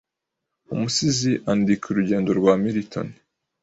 Umusizi Andika urugendo rwa Milton